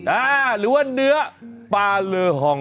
หรือว่าเนื้อปลาเลอฮอง